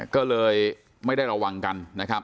ก็เลยไม่ได้ระวังกัน